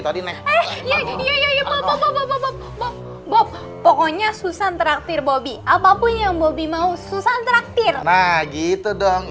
tadi nek ya ya ya bob pokoknya susan traktir bobby apapun yang bobby mau susan traktir nah gitu dong